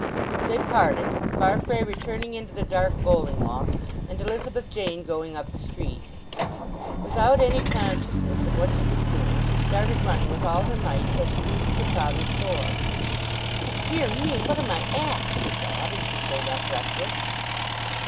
They parted, Farfrae returning into the dark Bowling Walk, and Elizabeth Jane going up the street. Without any consciousness of what she was doing she started running with all her might till she reached her father's door. "O dear me—what am I at?" she thought, as she pulled up breathless.